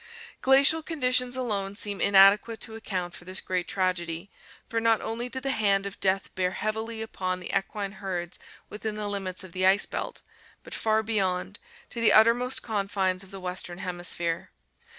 Glacial conditions alone seem inadequate to account for this great tragedy, for not only did the hand of death bear heavily upon the equine herds within the limits of the ice belt, but far beyond, to the uttermost confines of the western hemisphere.